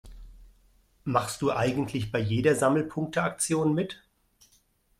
Machst du eigentlich bei jeder Sammelpunkte-Aktion mit?